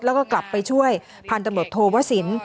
แล้วก็กลับไปช่วยผ่านตำรวจโทวศิลป์